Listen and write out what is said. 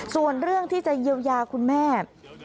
ส่วนเรื่องที่จะเยียวยาคุณแม่